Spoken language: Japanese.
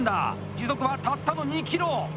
時速は、たったの２ｋｍ！